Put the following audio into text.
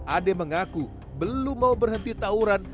ade mengaku belum mau berhenti tawuran